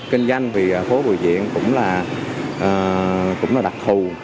kinh doanh vì phố bùi viện cũng là đặc thù